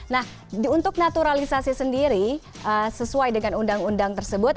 nah untuk naturalisasi sendiri sesuai dengan undang undang tersebut